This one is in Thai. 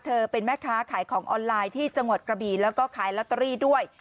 เป็นแม่ค้าขายของออนไลน์ที่จังหวัดกระบีแล้วก็ขายลอตเตอรี่ด้วย